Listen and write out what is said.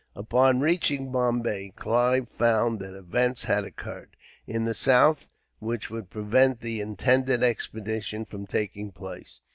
Upon reaching Bombay, Clive found that events had occurred, in the south, which would prevent the intended expedition from taking place.